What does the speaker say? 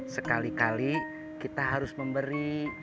sekali kali kita harus memberi